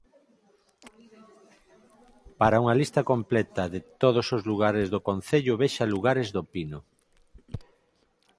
Para unha lista completa de todos os lugares do concello vexa Lugares do Pino.